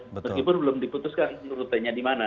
meskipun belum diputuskan rutenya di mana